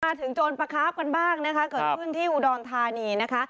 โจรปะคาร์ฟกันบ้างนะคะเกิดขึ้นที่อุดรธานีนะคะ